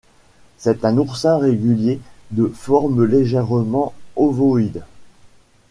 C'est un oursin régulier de forme légèrement ovoïde.